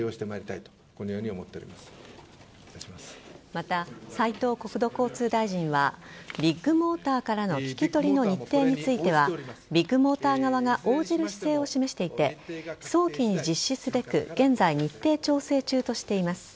また、斉藤国土交通大臣はビッグモーターからの聞き取りの日程についてはビッグモーター側が応じる姿勢を示していて早期に実施すべく現在、日程調整中としています。